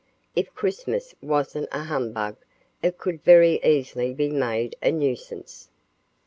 If Christmas wasn't a humbug it could very easily be made a nuisance.